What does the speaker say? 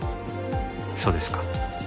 そうですか。